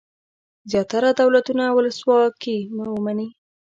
زیاتره دولتونه ولسواکي ومني.